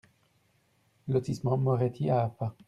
Lotissement Moretti à Afa